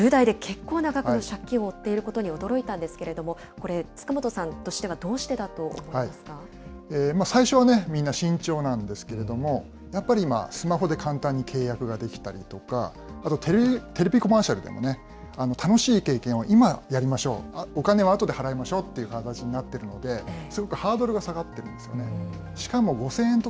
１０代で結構な額の借金を負っていることに驚いたんですけど、これ、塚本さんとしてはどうして最初はみんな慎重なんですけれども、やっぱり今、スマホで簡単に契約ができたりとか、あとテレビコマーシャルでも楽しい経験を今やりましょう、お金はあとで払いましょうという形になっているので、すごくハードルが下がっているんですよね。